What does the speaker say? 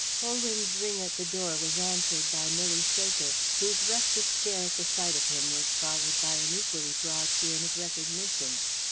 Colwyn's ring at the door was answered by Milly Saker, whose rustic stare at the sight of him was followed by an equally broad grin of recognition.